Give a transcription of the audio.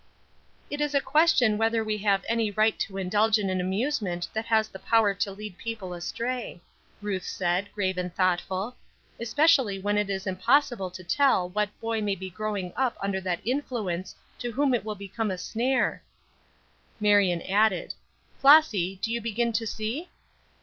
"It is a question whether we have any right to indulge in an amusement that has the power to lead people astray," Ruth said, grave and thoughtful, "especially when it is impossible to tell what boy may he growing up under that influence to whom it will become a snare." Marion added: "Flossy, do you begin to see?"